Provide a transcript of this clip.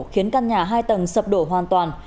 khiến căn nhà hai tầng sập đổ hoàn toàn